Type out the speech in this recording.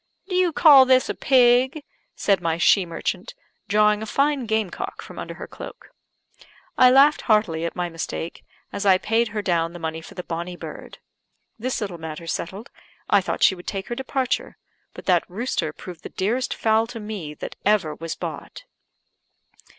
"Do you call this a pig?" said my she merchant, drawing a fine game cock from under her cloak. I laughed heartily at my mistake, as I paid her down the money for the bonny bird. This little matter settled, I thought she would take her departure; but that rooster proved the dearest fowl to me that ever was bought.